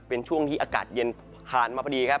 เป็นช่วงที่อากาศเย็นผ่านมาพอดีครับ